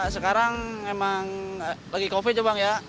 sekarang emang lagi covid ya bang ya